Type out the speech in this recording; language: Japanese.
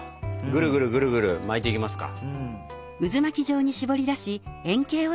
ぐるぐるぐるぐる巻いていきますか。